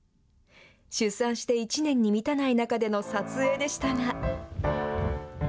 出産して１年に満たない中での撮影でしたが。